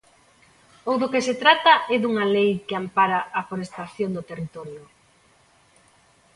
¿Ou do que se trata é dunha lei que ampara a forestación do territorio?